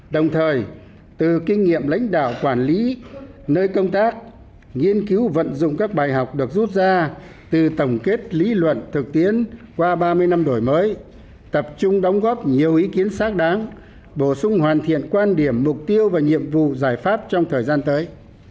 đồng thời từ kinh nghiệm lãnh đạo quản lý nơi công tác nghiên cứu vận dụng các bài học được rút ra từ tổng kết lý luận thực tiễn qua ba mươi năm đổi mới tập trung đóng góp nhiều ý kiến xác đáng bổ sung hoàn thiện quan điểm mục tiêu và nhiệm vụ giải pháp trong thời gian tới